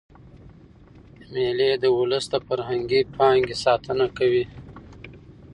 مېلې د اولس د فرهنګي پانګي ساتنه کوي.